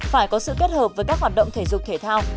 phải có sự kết hợp với các hoạt động thể dục thể thao